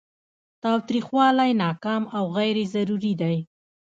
تاوتریخوالی ناکام او غیر ضروري دی.